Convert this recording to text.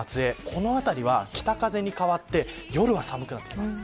この辺りは、北風に変わって夜は寒くなってきます。